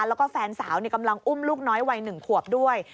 แล้วก็แฟนสาวกำลังอุ้มลูกน้อยวัย๑ขวบด้วย